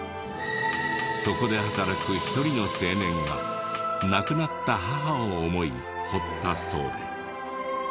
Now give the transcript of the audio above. そこで働く一人の青年が亡くなった母を思い彫ったそうで。